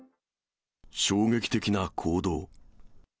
衝撃的な行動。